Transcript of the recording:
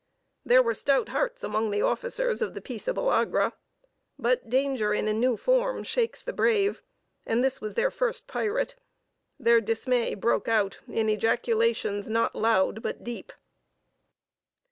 There were stout hearts among the officers of the peaceable Agra; but danger in a new form shakes the brave; and this was their first pirate: their dismay broke out in ejaculations not loud but deep....